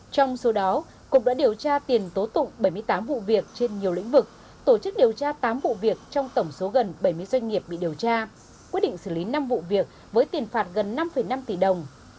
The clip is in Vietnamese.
trong số đó cục đã điều tra tiền tố tụng bảy mươi tám vụ việc trên nhiều lĩnh vực tổ chức điều tra tám vụ việc trong tổng số gần bảy mươi doanh nghiệp bị điều tra quyết định xử lý năm vụ việc với tiền phạt gần năm năm tỷ đồng